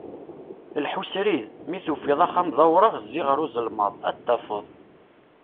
Lḥu srid, mi tufiḍ axxam d awraɣ zzi ɣer uzelmaḍ, ad t-tafeḍ.